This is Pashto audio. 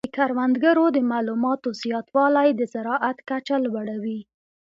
د کروندګرو د معلوماتو زیاتوالی د زراعت کچه لوړه وي.